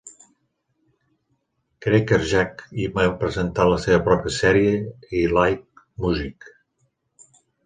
Crackerjack, i va presentar la seva pròpia sèrie I Like Music.